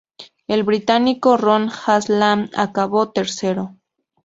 El británico Ron Haslam acabó tercero.